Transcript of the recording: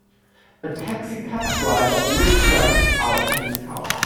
A taxi cab driver looks stressed out in his car.